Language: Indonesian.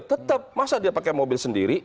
tetap masa dia pakai mobil sendiri